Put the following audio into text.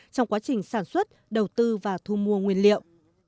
trong quá trình sản xuất đầu tư và thu mua nguyên liệu